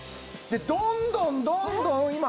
どんどんどんどん今。